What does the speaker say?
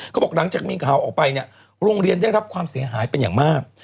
เขาบอกหลังจากมีข่าวออกไปเนี่ยโรงเรียนได้รับความเสียหายเป็นอย่างมาก